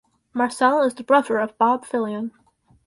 Marcel is the brother of Bob Fillion.